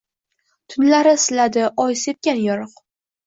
Tunlari siladi oy sepgan yorug’.